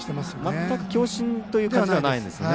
全く強振という感じではないんですね